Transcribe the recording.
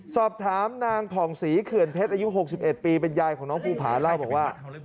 สอบถามนางผ่องศรีเขื่อนเพชรอายุ๖๑ปีเป็นยายของน้องภูผาเล่าบอกว่า